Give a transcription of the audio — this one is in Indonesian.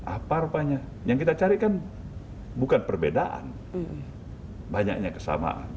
apa rupanya yang kita carikan bukan perbedaan banyaknya kesamaan